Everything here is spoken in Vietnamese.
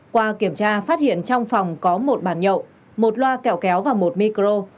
qua kiểm tra phát hiện trong phòng có một bàn nhậu một loa kẹo kéo và một micro